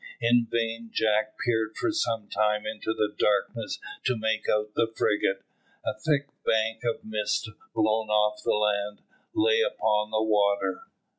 In vain Jack peered for some time into the darkness to make out the frigate. A thick bank of mist, blown off the land, lay upon the water.